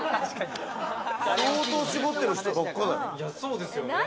相当絞ってる人ばっかだよ。